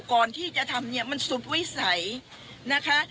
ก่อนที่จะทำมันสุดไว้ใสนะคะ